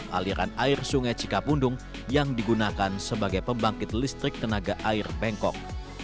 aliran air sungai cikapundung yang digunakan sebagai pembangkit listrik tenaga air bengkok